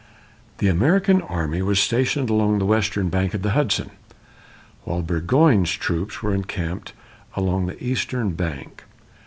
The American army was stationed along the western bank of the Hudson; while Burgoyne's troops were encamped along the eastern bank.